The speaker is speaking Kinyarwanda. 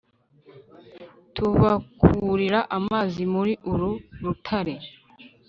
Tubakurira Amazi Muri Uru Rutare